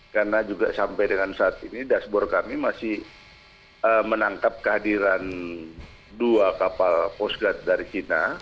karena juga sampai dengan saat ini dashboard kami masih menangkap kehadiran dua kapal post guard dari china